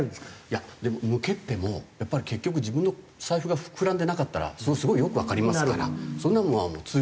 いやでも向けてもやっぱり結局自分の財布が膨らんでなかったらそれすごいよくわかりますからそんなものは通用しないですね。